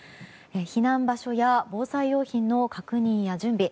避難場所や防災用品の確認や準備。